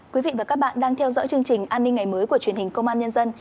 quý vị và các bạn đang theo dõi chương trình an ninh ngày mới của truyền hình công an nhân dân